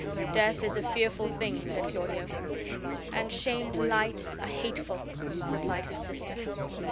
"Death is a fearful thing," said Claudio. "And shamed life a hateful," replied his sister.